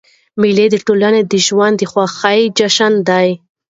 مېلې د ټولني د ژوند د خوښیو جشنونه دي.